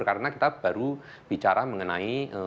karena kita baru bicara mengenai